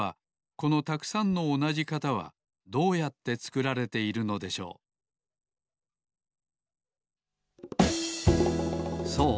このたくさんのおなじ型はどうやってつくられているのでしょうそう